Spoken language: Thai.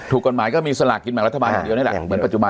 กฎหมายก็มีสลากกินแบ่งรัฐบาลอย่างเดียวนี่แหละเหมือนปัจจุบัน